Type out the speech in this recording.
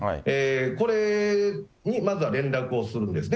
これにまずは連絡をするんですね。